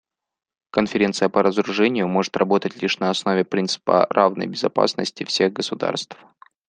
Конференция по разоружению может работать лишь на основе принципа равной безопасности всех государств.